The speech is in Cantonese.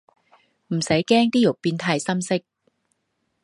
唔使驚啲肉變太深色